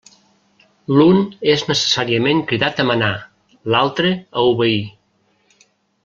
L'un és necessàriament cridat a manar, l'altre a obeir.